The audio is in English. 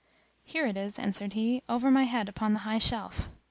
"Here it is," answered he, "over my head upon the high shelf."